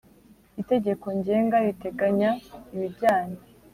Itegeko Ngenga riteganya ibijyanye